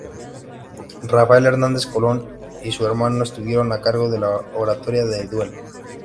Rafael Hernández Colón y su hermano estuvieron a cargo de la oratoria de duelo.